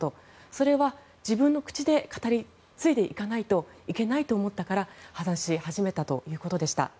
それは自分の口で語り継いでいかないといけないと思ったから話し始めたということでした。